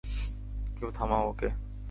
কেউ থামাও ওকে!